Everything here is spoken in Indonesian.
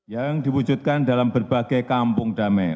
yang diwujudkan dalam berbagai kampung damai